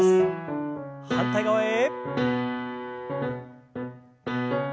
反対側へ。